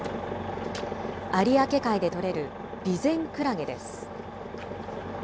有明海で取れるビゼンクラゲです。